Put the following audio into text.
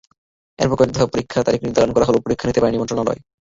এরপর কয়েক দফা পরীক্ষার তারিখ নির্ধারণ করা হলে পরীক্ষা নিতে পারেনি মন্ত্রণালয়।